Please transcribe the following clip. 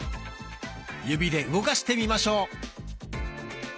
指で動かしてみましょう。